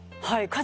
はい。